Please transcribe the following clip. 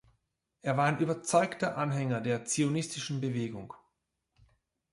Er war überzeugter Anhänger der zionistischen Bewegung.